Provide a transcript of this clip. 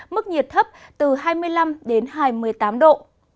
mức nhiệt thấp từ hai mươi năm đến hai mươi tám độ